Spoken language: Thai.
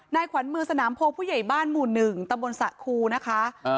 นายขวัญมือสนามโพกผู้ใหญ่บ้านหมู่หนึ่งตะบนสระคูนะคะอ่า